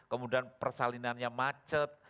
kemudian persalinannya macet